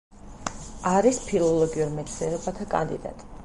არის ფილოლოგიურ მეცნიერებათა კანდიდატი.